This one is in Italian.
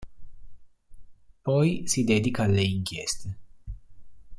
Poi si dedica alle inchieste.